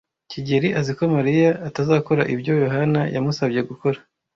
kigeli azi ko Mariya atazakora ibyo Yohana yamusabye gukora.